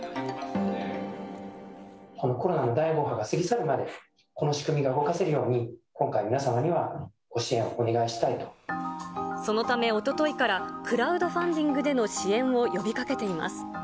コロナの第５波が過ぎ去るまで、この仕組みが動かせるように、今回、皆様にはご支援をお願いしそのため、おとといから、クラウドファンディングでの支援を呼びかけています。